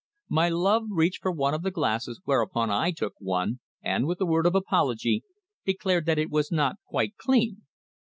My love reached forward for one of the glasses, whereupon I took one and, with a word of apology, declared that it was not quite clean.